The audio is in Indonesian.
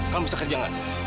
kamu bisa kerja gak